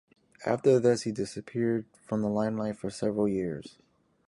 After this, he disappeared from the limelight for several years.